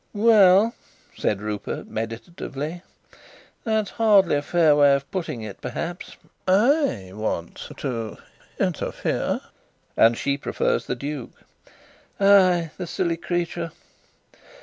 "Well," said Rupert meditatively, "that's hardly a fair way of putting it, perhaps. I want to interfere." "And she prefers the duke?" "Ay, the silly creature!